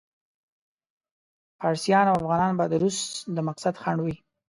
فارسیان او افغانان به د روس د مقصد خنډ وي.